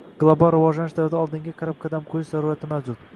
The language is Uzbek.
Global rivojlanish davrida oldinga qarab qadam qoʻyish zarurati mavjud.